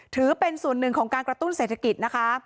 ถือเป็นส่วนหนึ่งของการกระตุ้นเศรษฐกิจนะคะ